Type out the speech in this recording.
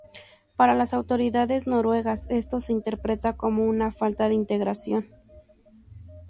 Para las autoridades noruegas esto se interpreta como una falta de integración.